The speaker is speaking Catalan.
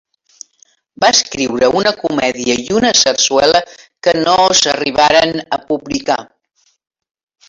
Va escriure una comèdia i una sarsuela que no s'arribaren a publicar.